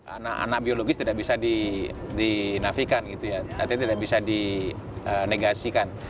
anak anak biologis tidak bisa dinafikan tidak bisa dinegasikan